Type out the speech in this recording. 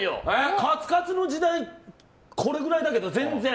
カツカツの時代これぐらいだけど、全然。